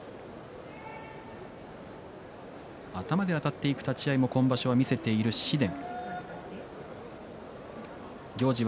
頭であたっていく立ち合いを今場所、見せている紫雷。